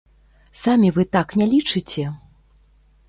Самі вы так не лічыце?